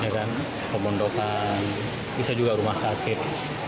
kemundokan bisa juga rumah sakit